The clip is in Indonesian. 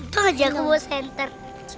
tuh aja aku mau senter